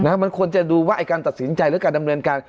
มันควรจะดูว่าไอ้การตัดสินใจหรือการดำเนินการ